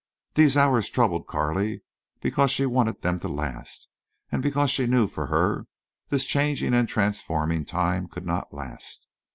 These hours troubled Carley because she wanted them to last, and because she knew for her this changing and transforming time could not last.